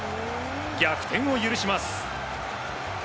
逆転を許します。